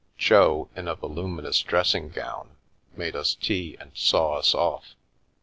Jo, in a volumi nous dressing gown, made us tea and saw us off.